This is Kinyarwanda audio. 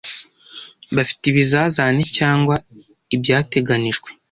bafite ibizazane cyangwa ibyateganijwe